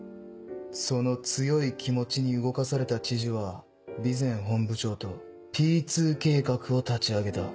その強い気持ちに動かされた知事は備前本部長とＰ２計画を立ち上げた。